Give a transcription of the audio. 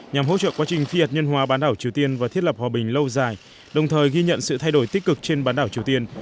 nhằm hỗ trợ quá trình phi hạt nhân hóa bán đảo triều tiên và thiết lập hòa bình lâu dài đồng thời ghi nhận sự thay đổi tích cực trên bán đảo triều tiên